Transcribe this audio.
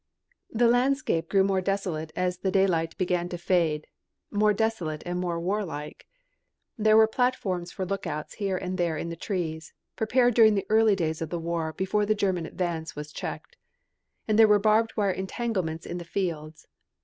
The landscape grew more desolate as the daylight began to fade, more desolate and more warlike. There were platforms for lookouts here and there in the trees, prepared during the early days of the war before the German advance was checked. And there were barbed wire entanglements in the fields.